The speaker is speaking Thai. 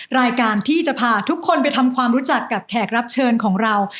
รายการที่จะพาทุกคนไปทำความรู้จักกับแขกรับเชิญของเรา